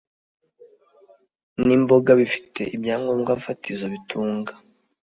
nimboga bifite ibyangombwa fatizo bitunga